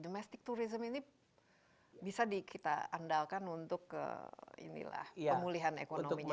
domestic tourism ini bisa di kita andalkan untuk ke inilah pemulihan ekonominya